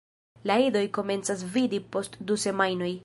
La idoj komencas vidi post du semajnoj.